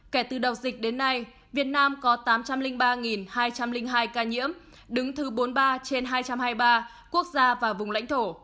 kể từ đầu dịch đến nay việt nam có tám trăm linh ba hai trăm linh hai ca nhiễm đứng thứ bốn mươi ba trên hai trăm hai mươi ba quốc gia và vùng lãnh thổ